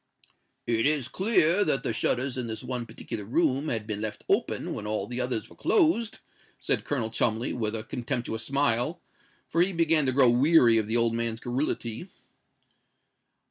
"It is clear that the shutters in this one particular room had been left open when all the others were closed," said Colonel Cholmondeley, with a contemptuous smile; for he began to grow weary of the old man's garrulity.